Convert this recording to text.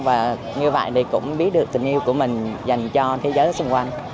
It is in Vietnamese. và như vậy thì cũng biết được tình yêu của mình dành cho thế giới xung quanh